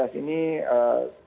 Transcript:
terus bisa kita penuhi